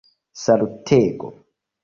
salutego